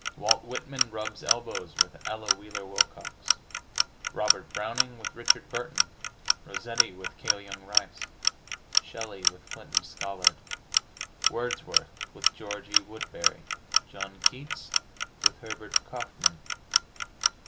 Walt Whitman rubs elbows with Ella Wheeler Wilcox; Robert Browning with Richard Burton; Rossetti with Cale Young Rice; Shelly with Clinton Scollard; Wordsworth with George E. Woodberry; John Keats with Herbert Kaufman!